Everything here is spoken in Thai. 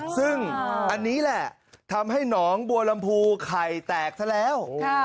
ซึ่งอันนี้แหละทำให้หนองบัวลำพูไข่แตกซะแล้ว